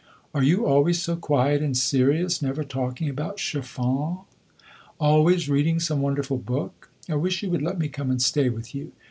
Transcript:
Are you always so quiet and serious never talking about chiffons always reading some wonderful book? I wish you would let me come and stay with you.